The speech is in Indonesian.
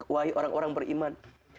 wahi orang orang beriman